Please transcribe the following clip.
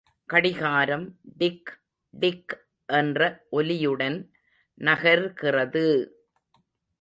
கடிகாரம் tick, tick என்ற ஒலியுடன் நகர்கிறது!